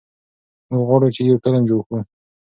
موږ غواړو چې یو فلم جوړ کړو.